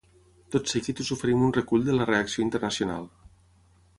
Tot seguit us oferim un recull de la reacció internacional.